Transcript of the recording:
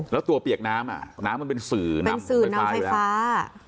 แล้วตัวเปียกน้ำน้ำมันเป็นสื่อนำไฟฟ้า